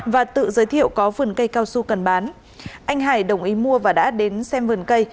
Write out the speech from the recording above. và tự giới thiệu có vườn cây cao su cần bán anh hải đồng ý mua và đã đến xem vườn cây